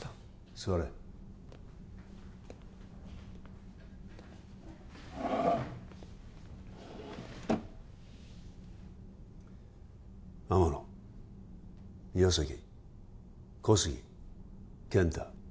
座れ天野岩崎小杉健太